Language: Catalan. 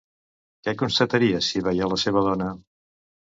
Què constataria si veia la seva dona?